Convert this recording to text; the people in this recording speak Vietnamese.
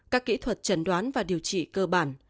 các kỹ thuật trần đoán và điều trị cơ bản